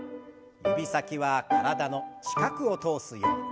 指先は体の近くを通すように。